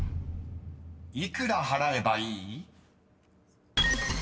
［幾ら払えばいい？］